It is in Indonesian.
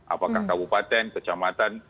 apakah kabupaten kecamatan